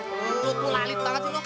lu pulalit banget sih lu